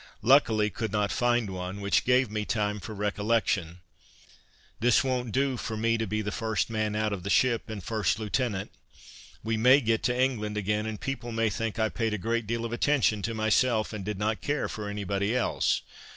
Luckily could not find one, which gave me time for recollection. "This won't do for me, to be the first man out of the ship, and first lieutenant; we may get to England again, and people may think I paid a great deal of attention to myself and did not care for any body else.